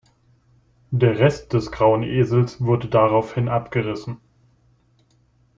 Der Rest des „Grauen Esels“ wurde daraufhin abgerissen.